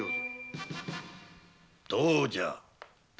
どうじゃ？